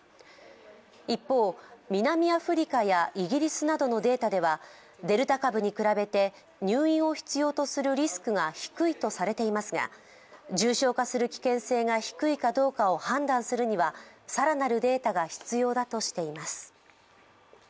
一方、南アフリカやイギリスなどのデータでは、デルタ株に比べて、入院を必要とするリスクが低いとされていますが重症化する危険性が低いかどうかを判断するには更なるデータが必要だとしています。